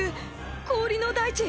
氷の大地！